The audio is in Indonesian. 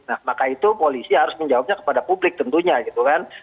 nah maka itu polisi harus menjawabnya kepada publik tentunya gitu kan